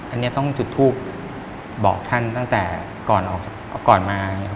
อันนี้ต้องจุดทูปบอกท่านตั้งแต่ก่อนมา